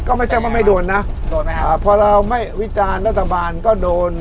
ก็ไม่ใช่ว่าไม่โดนนะโดนไหมครับอ่าพอเราไม่วิจารณ์รัฐบาลก็โดน